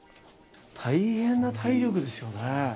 大変な体力ですよね。